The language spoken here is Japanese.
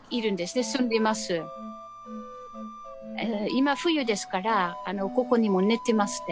今冬ですからここにも寝てますね。